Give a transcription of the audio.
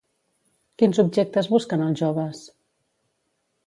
Quins objectes busquen els joves?